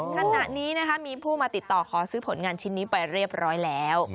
ขณะนี้มีผู้มาติดต่อขอซื้อผลงานชิ้นนี้ไปเรียบร้อยแล้ว